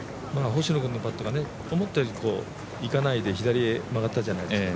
星野君のパットが思ったようにいかないで、左へ行ったじゃないですか。